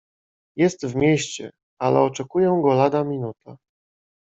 "Jest w mieście, ale oczekuję go lada minuta."